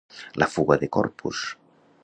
La fuga de Corpus.